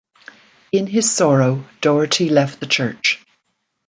In his sorrow, Doherty left the Church.